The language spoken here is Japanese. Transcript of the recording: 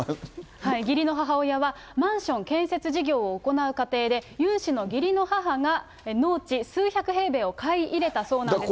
義理の母親は、マンション建設事業を行う過程で、ユン氏の義理の母が農地数百平米を買い入れたそうなんですが。